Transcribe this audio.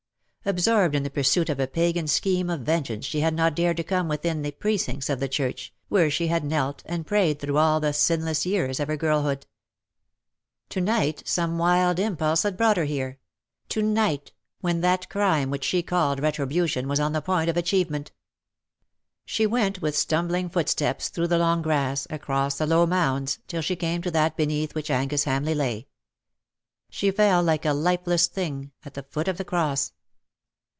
Absorbed in the pursuit of a Pagan scheme of vengeance she had not dared to come within the precincts of the church, where she had knelt and prayed through all the sinless years of her girlbooJ. To night 270 '^SHE STOOD UP IN BITTER CASE, some wild impulse had brought her here — to night, when that crime which she called retribution was on the point of achievement. She went with stumbling footsteps through the long grass, across the low mounds, till she came to that beneath which Angus Hamleigh lay. She fell like a lifeless thing at the foot of the cross.